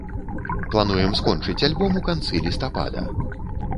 Плануем скончыць альбом у канцы лістапада.